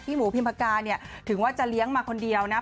หมูพิมพกาเนี่ยถึงว่าจะเลี้ยงมาคนเดียวนะ